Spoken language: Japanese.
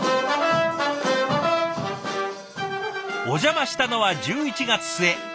お邪魔したのは１１月末。